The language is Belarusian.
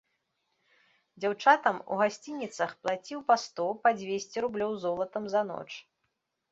Дзяўчатам у гасцініцах плаціў па сто, па дзвесце рублёў золатам за ноч.